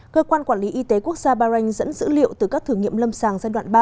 cơ quan quản lý y tế quốc gia bahrain dẫn dữ liệu từ các thử nghiệm lâm sàng giai đoạn ba